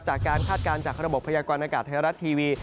จากการคาดการณ์จากระบบพยากรณ์อากาศทางรัฐทีวี